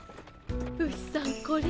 ウシさんこれ。